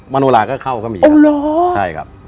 มโนลาก็เข้าก็มีครับ